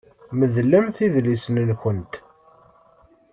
Medlemt idlisen-nkent!